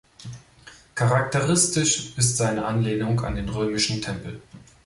Charakteristisch ist seine Anlehnung an den römischen Tempel.